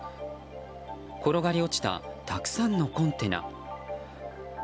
転がり落ちたたくさんのコンテナ。